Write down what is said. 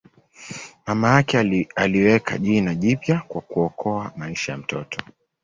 Mama yake aliweka jina jipya kwa kuokoa maisha ya mtoto.